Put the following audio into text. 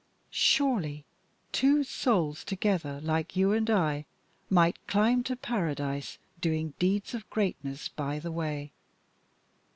Surely two souls together, like you and I, might climb to Paradise doing deeds of greatness by the way.